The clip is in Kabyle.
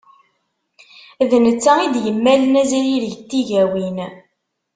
D netta i d-yemmalen azrireg n tigawin.